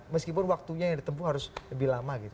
meskipun waktunya yang ditempu harus lebih lama gitu